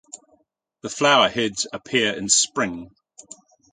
The flowerheads appear in Spring.